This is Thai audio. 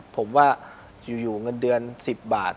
ผมว่าอยู่เงินเดือน๑๐บาท